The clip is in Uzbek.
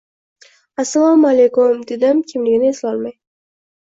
Assalomu alaykum, dedim kimligini eslolmay